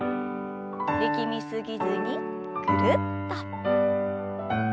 力み過ぎずにぐるっと。